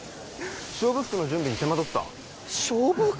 勝負服の準備に手間取った勝負服？